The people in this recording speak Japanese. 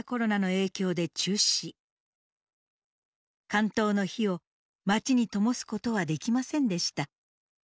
竿燈の灯を街に灯すことはできませんでした。